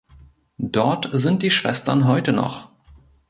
Dort sind die Schwestern heute noch.